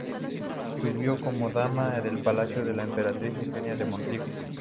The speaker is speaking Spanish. Sirvió como dama del palacio de la emperatriz Eugenia de Montijo.